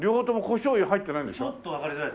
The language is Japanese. ちょっとわかりづらい。